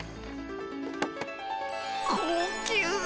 高級。